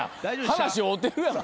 話合うてるやろ。